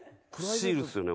シールっすよね？